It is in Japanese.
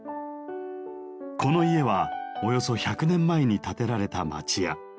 この家はおよそ１００年前に建てられた町家。